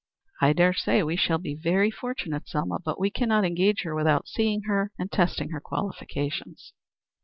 "I dare say we shall be very fortunate, Selma. But we cannot engage her without seeing her and testing her qualifications."